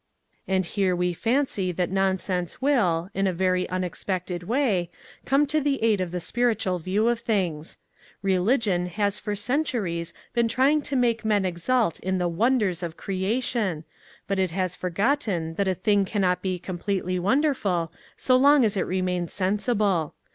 And here we fancy that nonsense will, in a very unex pected way, come to the aid of the spiritual view of things. Religion has for centuries been trying to make men exult in the wonders" of creation, but it has for gotten that a thing cannot be completely A Defence of Nonsense wonderful so long as it remains sensible.